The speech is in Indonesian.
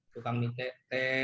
tukang mie tete